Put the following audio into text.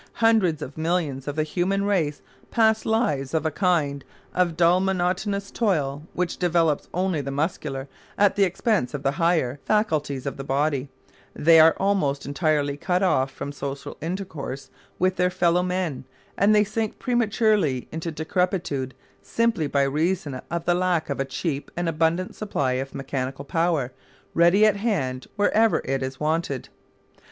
Hundreds of millions of the human race pass lives of a kind of dull monotonous toil which develops only the muscular, at the expense of the higher, faculties of the body; they are almost entirely cut off from social intercourse with their fellow men, and they sink prematurely into decrepitude simply by reason of the lack of a cheap and abundant supply of mechanical power, ready at hand wherever it is wanted.